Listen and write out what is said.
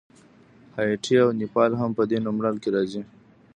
هایټي او نیپال هم په دې نوملړ کې راځي.